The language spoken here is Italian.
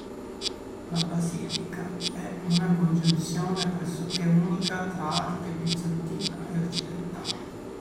La basilica è una congiunzione pressoché unica tra arte bizantina e occidentale.